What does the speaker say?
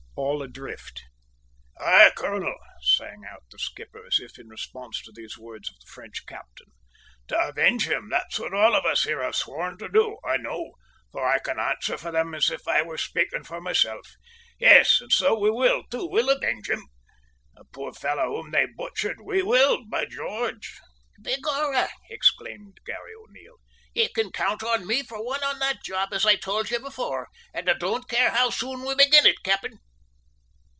ALL ADRIFT. "Aye, colonel," sang out the skipper, as if in response to these words of the French captain, "to avenge him; that's what all of us here have sworn to do, I know, for I can answer for them as if I were speaking for myself. Yes, and so we will, too. We'll avenge him the poor fellow whom they butchered. We will, by George!" "Begorrah!" exclaimed Garry O'Neil. "You can count on me for one on that job, as I tould ye before, and I don't care how soon we begin it, cap'en!"